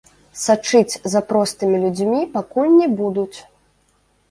Сачыць за простымі людзьмі пакуль не будуць.